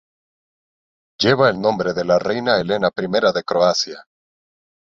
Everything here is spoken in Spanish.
Lleva el nombre de la reina Elena I de Croacia.